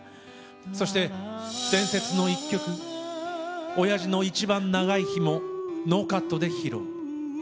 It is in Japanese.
そして伝説の一曲「親父の一番長い日」もノーカットで披露。